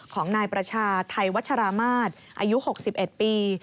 ของนายประชาไทยวัชรามาศอายุ๖๑ปี